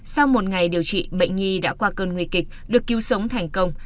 sau một ngày điều trị bệnh nhi đã qua cơn nguy kịch được cứu sống thành công